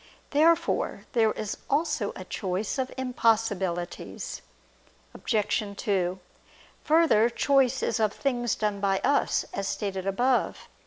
Therefore there is also a choice of impossibilities. Obj. 2: Further, choice is of things done by us, as stated above (A.